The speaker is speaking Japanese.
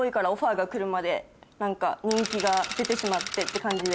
が来るまで人気が出てしまってって感じで。